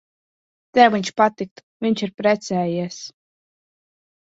Tev viņš patiktu. Viņš ir precējies.